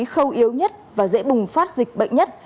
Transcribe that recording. khâu yếu nhất và dễ bùng phát dịch bệnh nhất